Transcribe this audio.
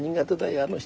あの人。